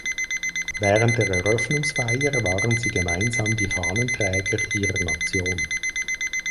Während der Eröffnungsfeier waren sie gemeinsam die Fahnenträger ihrer Nation.